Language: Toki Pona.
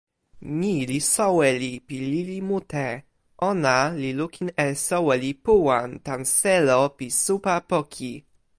ni li soweli pi lili mute. ona li lukin e soweli Puwan tan selo pi supa poki.